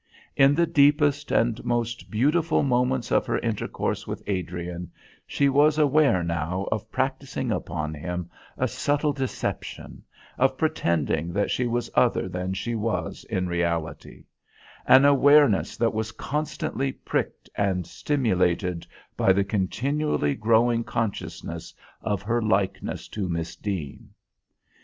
In the deepest and most beautiful moments of her intercourse with Adrian, she was aware now of practising upon him a subtle deception, of pretending that she was other than she was in reality an awareness that was constantly pricked and stimulated by the continually growing consciousness of her likeness to Miss Deane.